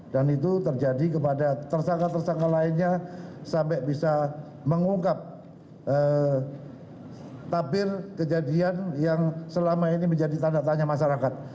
dan itu terjadi kepada tersangka tersangka lainnya sampai bisa mengungkap tapir kejadian yang selama ini menjadi tanda tanya masyarakat